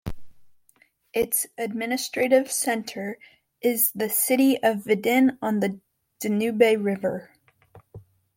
Its administrative centre is the city of Vidin on the Danube river.